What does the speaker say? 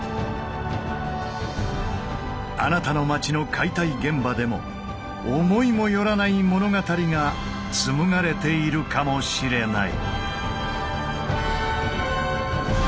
あなたの街の解体現場でも思いも寄らない物語が紡がれているかもしれない。